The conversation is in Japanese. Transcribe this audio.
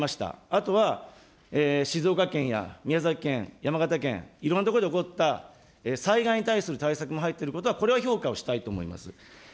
あとは静岡県や宮崎県、山形県、いろんなところで起こった災害に対する対策も入っていることは、これは評価をしたいと思います。